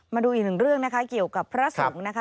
มาดูอีกหนึ่งเรื่องนะคะเกี่ยวกับพระสงฆ์นะคะ